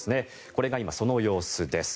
これが今、その様子です。